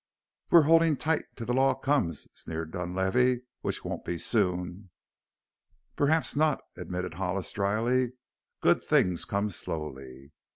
"We're holding tight till the law comes," sneered Dunlavey; "which won't be soon." "Perhaps not," admitted Hollis dryly; "good things come slowly.